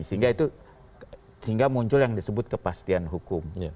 sehingga itu sehingga muncul yang disebut kepastian hukum